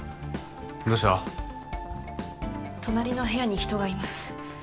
隣の部屋に人がいます。